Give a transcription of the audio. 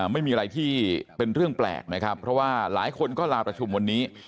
ไม่มีอะไรที่เป็นเรื่องแปลกนะครับเพราะว่าหลายคนก็ลาประชุมวันนี้